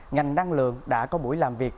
ngành năng lượng đã có buổi làm việc